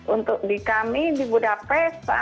untuk di kami di budapesta